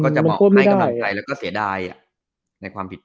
เลืกแล้วมันจะหมาให้เกียรติแหลบเป็นทุกคน